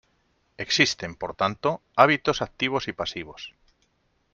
Existen, por tanto, hábitos activos y pasivos.